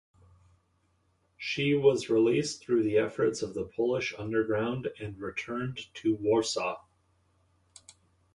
She was released through the efforts of the Polish underground and returned to Warsaw.